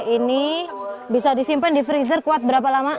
ini bisa disimpan di freezer kuat berapa lama